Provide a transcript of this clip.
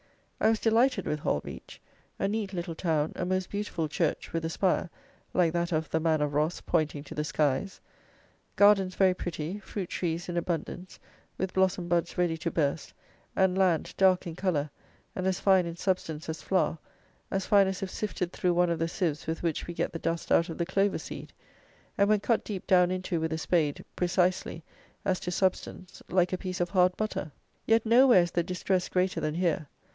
I was delighted with Holbeach; a neat little town; a most beautiful church with a spire, like that of "the man of Ross, pointing to the skies;" gardens very pretty; fruit trees in abundance, with blossom buds ready to burst; and land, dark in colour, and as fine in substance as flour, as fine as if sifted through one of the sieves with which we get the dust out of the clover seed; and when cut deep down into with a spade, precisely, as to substance, like a piece of hard butter; yet nowhere is the distress greater than here.